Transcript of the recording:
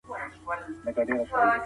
حق د رښتیني ژوند بنسټ دی.